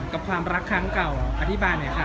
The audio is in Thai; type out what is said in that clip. กับความรักครั้งเก่าอธิบายหน่อยค่ะ